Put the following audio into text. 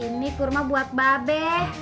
ini kurma buat babe